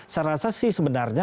saya rasa sih sebenarnya